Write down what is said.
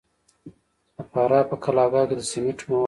د فراه په قلعه کاه کې د سمنټو مواد شته.